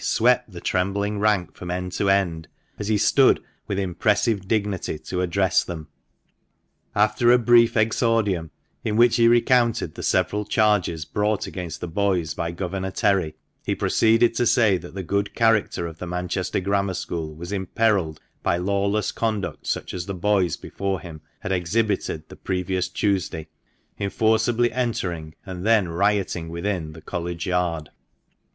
swept the trembling rank from end to end, as he stood with impressive dignity to address them. After a brief exordium, in which he recounted the several charges brought against the boys by Governor Terry, he proceeded to say that the good character of the Manchester Grammar School was imperilled by lawless conduct such as the boys before him had exhibited the previous Tuesday, in forcibly entering, and then rioting within, the College Yard.